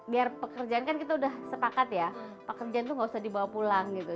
biar pekerjaan kan kita udah sepakat ya pekerjaan itu gak usah dibawa pulang gitu